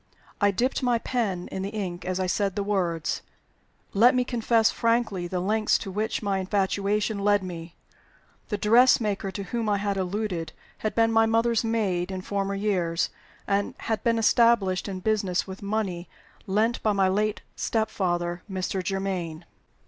I dipped my pen in the ink as I said the words. Let me confess frankly the lengths to which my infatuation led me. The dressmaker to whom I had alluded had been my mother's maid in former years, and had been established in business with money lent by my late step father, Mr. Germaine.